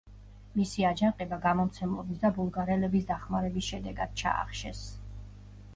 მისი აჯანყება გამცემლობის და ბულგარელების დახმარების შედეგად ჩაახშეს.